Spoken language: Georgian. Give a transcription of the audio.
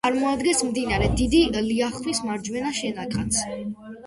წარმოადგენს მდინარე დიდი ლიახვის მარჯვენა შენაკადს.